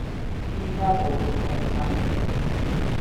依家做到踢曬腳